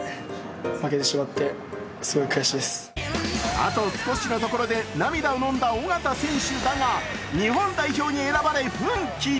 あと少しのところで涙をのんだ緒方選手だが日本代表の選ばれ、奮起。